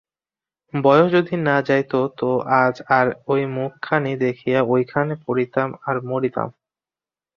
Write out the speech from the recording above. বয়স যদি না যাইত তো আজ তোর ঐ মুখখানি দেখিয়া এইখানে পড়িতাম আর মরিতাম।